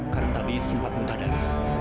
karena tadi sempat muka darah